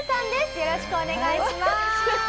よろしくお願いします。